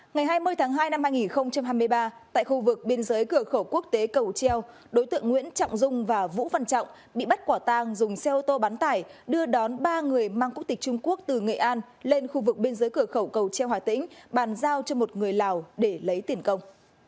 ngày hai mươi tháng hai năm hai nghìn hai mươi ba tại khu vực biên giới cửa khẩu quốc tế cầu treo đối tượng nguyễn trọng dung và vũ văn trọng bị bắt quả tang dùng xe ô tô bán tải đưa đón ba người mang quốc tịch trung quốc từ nghệ an lên khu vực biên giới cửa khẩu cầu treo hà tĩnh bàn giao cho một người lào để lấy tiền công